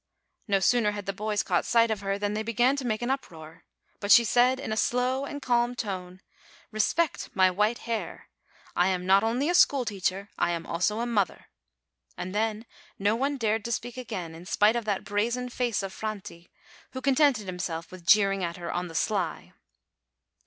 No sooner had the boys caught sight of her, than they began to make an uproar. But she said, in a slow and calm tone, "Respect my white hair; I am not only a school teacher, I am also a mother"; and then no one dared to speak again, in spite of that brazen face of Franti, who contented himself with jeering at her on the sly.